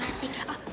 あっ